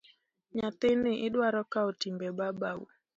Nyathini idwaro kawo timbe babau.